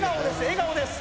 笑顔です